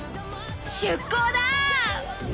出航だ！